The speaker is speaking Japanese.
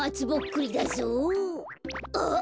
あっ！